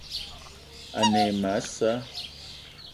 Ane e ma a sa'a